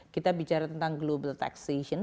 kita bicara tentang global taxation